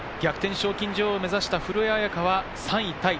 賞金女王を目指した古江彩佳は３位タイ。